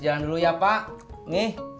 jangan dulu ya pak nih